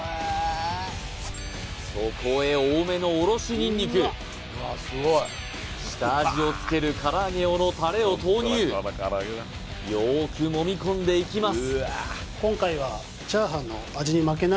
そこへ多めのおろしにんにく下味をつける唐揚げ用のタレを投入よーくもみ込んでいきます